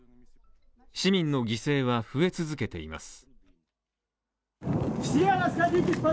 市民の犠牲は増え続けています。